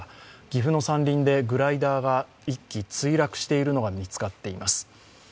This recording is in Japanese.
岐阜の山林でグライダーが１機墜落しているのが見つかっています。